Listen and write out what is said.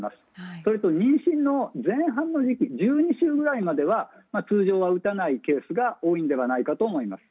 それと妊娠の前半の時期１２週くらいまでは通常は打たないケースが多いのではないかと思います。